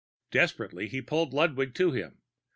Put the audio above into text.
Desperately he pulled Ludwig to him.